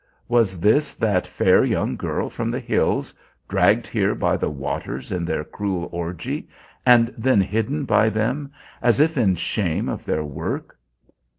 Was this that fair young girl from the hills, dragged here by the waters in their cruel orgy, and then hidden by them as if in shame of their work?